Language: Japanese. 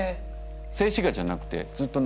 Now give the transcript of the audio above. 静止画じゃなくてずっと。